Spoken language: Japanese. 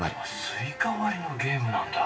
スイカ割りのゲームなんだ。